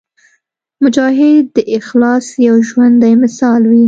مجاهد د اخلاص یو ژوندی مثال وي.